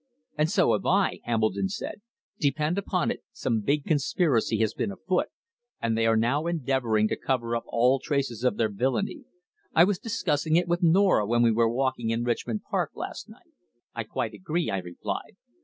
"And so have I," Hambledon said. "Depend upon it, some big conspiracy has been afoot, and they are now endeavouring to cover up all traces of their villainy. I was discussing it with Norah when we were walking in Richmond Park last night." "I quite agree," I replied.